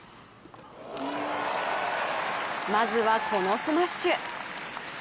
まずは、このスマッシュ。